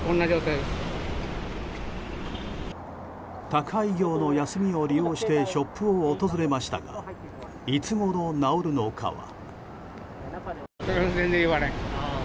宅配業の休みを利用してショップを訪れましたがいつごろ直るのかは。